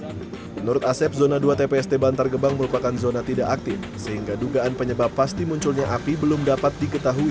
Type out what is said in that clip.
menurut asep zona dua tpst bantar gebang merupakan zona tidak aktif sehingga dugaan penyebab pasti munculnya api belum dapat diketahui